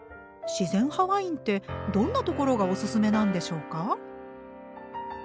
自然派ワインってどんなところがおすすめなんでしょうか？